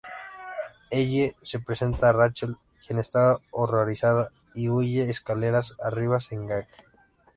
Ellie se presenta a Rachel, quien está horrorizada y huye escaleras arriba con Gage.